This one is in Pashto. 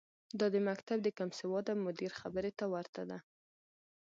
دا د مکتب د کمسواده مدیر خبرې ته ورته ده.